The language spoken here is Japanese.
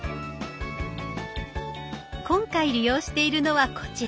今回利用しているのはこちら。